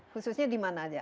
khususnya di mana saja